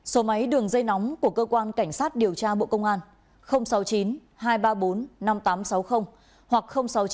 số máy đường dây nóng của cơ quan cảnh sát điều tra bộ công an sáu mươi chín hai trăm ba mươi bốn năm nghìn tám trăm sáu mươi hoặc sáu mươi chín hai trăm ba mươi một một nghìn sáu trăm